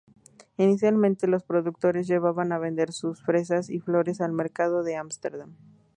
Inicialmente los productores llevaban a vender sus fresas y flores al mercado de Ámsterdam.